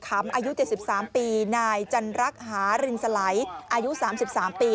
ำอายุ๗๓ปีนายจันรักหารินสลัยอายุ๓๓ปี